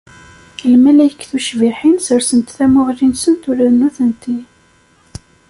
Lmalayek tucbiḥin ssersent tamuɣli-nsent ula d nutenti.